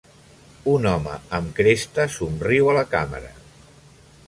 Un home amb cresta somriu a la càmera.